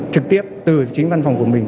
trực tiếp từ chính văn phòng của mình